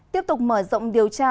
tiếp tục mở rộng điều tra